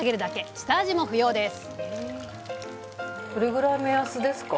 下味も不要です